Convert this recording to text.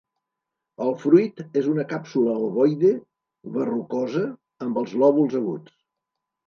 El fruit és una càpsula ovoide verrucosa amb els lòbuls aguts.